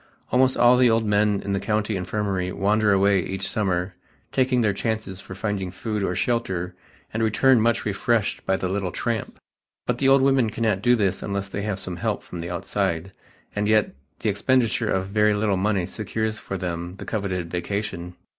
Almost all the old men in the County Infirmary wander away each summer taking their chances for finding food or shelter and return much refreshed by the little "tramp," but the old women cannot do this unless they have some help from the outside, and yet the expenditure of a very little money secures for them the coveted vacation.